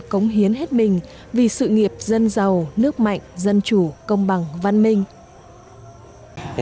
cống hiến hết mình vì sự nghiệp dân giàu nước mạnh dân chủ công bằng văn minh